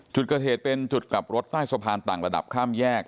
จุดเกิดเหตุเป็นจุดกลับรถใต้สะพานต่างระดับข้ามแยก